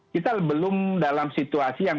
kita belum dalam situasi yang